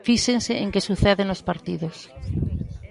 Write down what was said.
Fíxense en que sucede nos partidos.